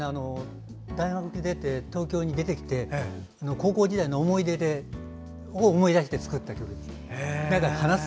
大学を出て東京に出てきて高校時代の思い出を思い出して作った曲です。